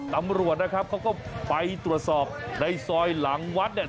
ตำรวจนะครับเขาก็ไปตรวจสอบในซอยหลังวัดเนี่ย